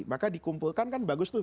maka dikumpulkan kan bagus tuh